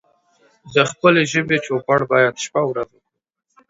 د خپلې ژبې چوپړ بايد شپه او ورځ وکړو